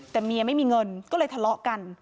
แต่เมียไม่มีเงินก็เลยทะเลาะกัน